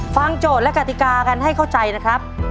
โจทย์และกติกากันให้เข้าใจนะครับ